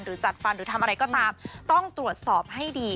จัดฟันหรือทำอะไรก็ตามต้องตรวจสอบให้ดี